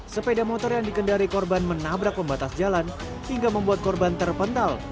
sepeda motor yang dikendari korban menabrak pembatas jalan hingga membuat korban terpental